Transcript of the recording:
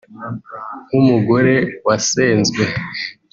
nk’umugore wasenzwe